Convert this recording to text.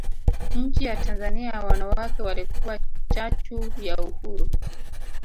nchi ya Tanzania wanawake walikuwa chachu ya uhuru